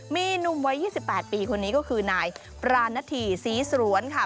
มีหนุ่มวัย๒๘ปีคนนี้ก็คือนายปราณฑีศรีสรวนค่ะ